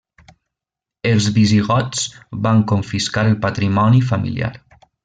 Els visigots van confiscar el patrimoni familiar.